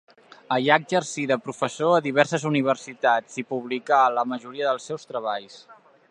Allà exercí de professor a diverses universitats i publicà la majoria dels seus treballs.